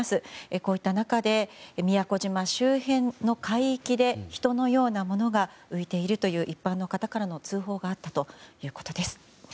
こういった中で宮古島周辺の海域で人のようなものが浮いているという一般の方からの通報があったということです。